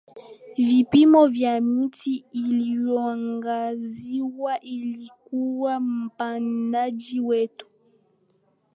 vipimo vya miti Iliyoangaziwa ilikuwa mpandaji wetu